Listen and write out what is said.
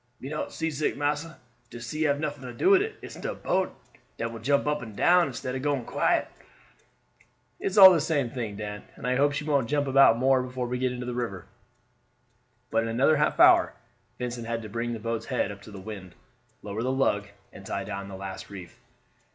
"Me not seasick, massa; de sea have nuffin to do with it. It's de boat dat will jump up and down instead of going quiet." "It's all the same thing, Dan; and I hope she won't jump about more before we get into the river." But in another half hour Vincent had to bring the boat's head up to the wind, lower the lug, and tie down the last reef.